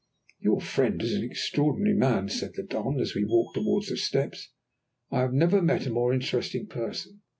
"Your friend is an extraordinary man," said the Don as we walked towards the steps. "I have never met a more interesting person.